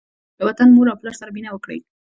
له وطن، مور او پلار سره مینه وکړئ.